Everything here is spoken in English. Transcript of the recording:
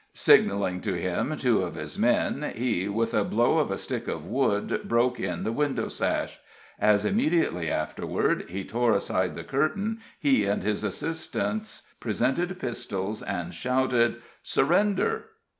Signaling to him two of his men, he, with a blow of a stick of wood, broke in the window sash. As, immediately afterward, he tore aside the curtain, he and his assistance presented pistols and shouted: "Surrender!"